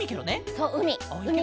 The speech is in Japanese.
そううみ。